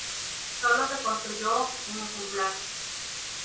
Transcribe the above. Sólo se construyó un ejemplar.